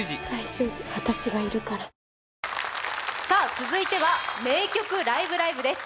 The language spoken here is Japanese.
続いては、「名曲ライブ！ライブ！」です。